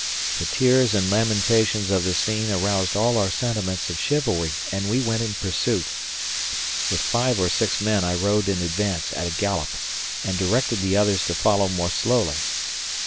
The tears and lamentations of the scene aroused all our sentiments of chivalry, and we went in pursuit. With five or six men I rode in advance at a gallop and directed the others to follow more slowly.